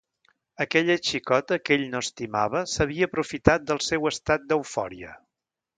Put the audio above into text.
Aquella xicota que ell no estimava s’havia aprofitat del seu estat d’eufòria.